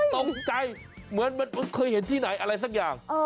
ตกใจเหมือนมันเคยเห็นที่ไหนอะไรสักอย่าง